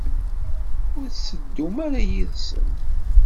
Ur tetteddumt ara yid-sen?